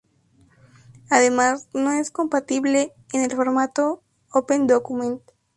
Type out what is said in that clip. Además, no es compatible con el formato OpenDocument.